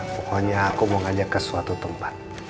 pokoknya aku mau ngajak ke suatu tempat